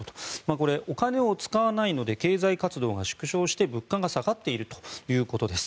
これ、お金を使わないので経済活動が縮小して物価が下がっているということです。